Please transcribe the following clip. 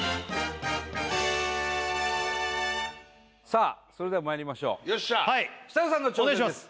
さあそれではまいりましょう設楽さんの挑戦ですお願いします